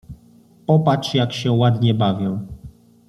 — Popatrz, jak się ładnie bawię.